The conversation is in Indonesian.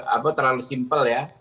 apa terlalu simpel ya